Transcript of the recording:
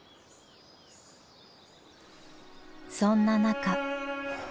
そんな中。